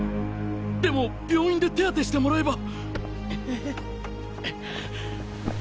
でも病院で手当てしてもらえば。